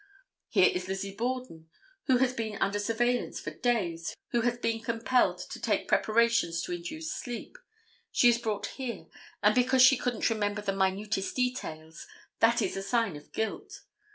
Here is Lizzie Borden, who has been under surveillance for days, who has been compelled to take preparations to induce sleep. She is brought here, and because she couldn't remember the minutest details, that is a sign of guilt.